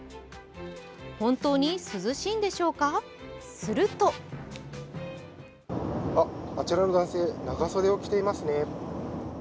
本当に涼しいんでしょうか、するとあちらの男性長袖を着ていますね。